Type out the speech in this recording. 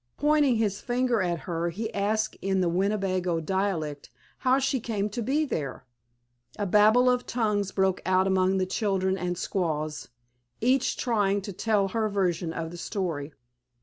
Pointing his finger at her he asked in the Winnebago dialect how she came to be there. A babel of tongues broke out among the children and squaws, each trying to tell her version of the story.